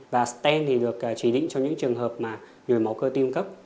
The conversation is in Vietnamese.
và stent được chỉ định trong những trường hợp mà người máu cơ tim